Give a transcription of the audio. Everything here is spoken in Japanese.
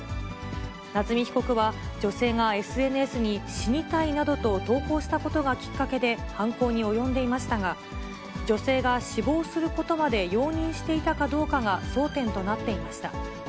夏見被告は、女性がＳＮＳに死にたいなどと投稿したことがきっかけで犯行に及んでいましたが、女性が死亡することまで容認していたかどうかが争点となっていました。